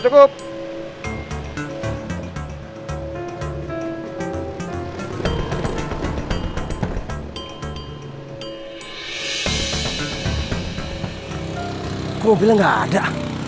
kok mobilnya nggak ada